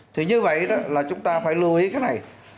thì như vậy đó là chúng ta phải lưu ý cái này